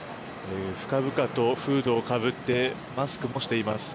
深々とフードをかぶってマスクもしています。